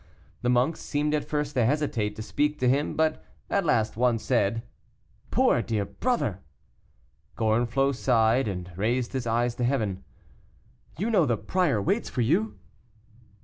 The monks seemed at first to hesitate to speak to him, but at last one said: "Poor dear brother!" Gorenflot sighed, and raised his eyes to Heaven. "You know the prior waits for you?"